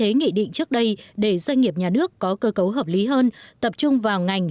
nghị định trước đây để doanh nghiệp nhà nước có cơ cấu hợp lý hơn tập trung vào ngành